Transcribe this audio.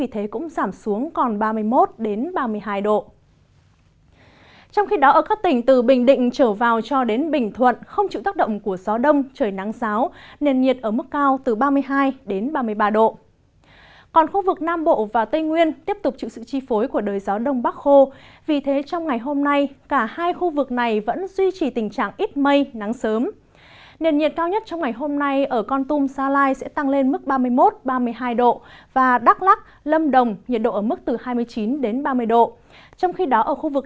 trong khi đó ở khu vực nam bộ nhiệt độ cũng tăng cao lại mức từ ba mươi ba đến ba mươi bốn độ